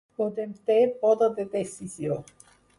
Podem té poder de decisió